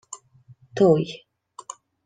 — Той.